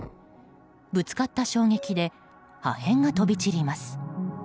ぶつかった衝撃で破片が飛び散ります。